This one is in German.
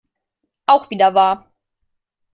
Auch wieder wahr.